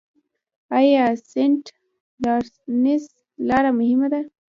آیا سینټ لارنس لاره مهمه نه ده؟